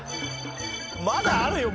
まだあるよ。